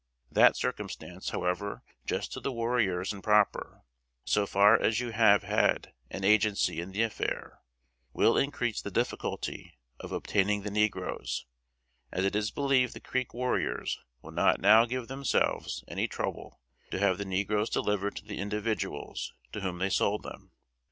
That circumstance, however just to the warriors and proper, so far as you have had an agency in the affair, will increase the difficulty of obtaining the negroes, as it is believed the Creek warriors will not now give themselves any trouble to have the negroes delivered to the individuals to whom they sold them.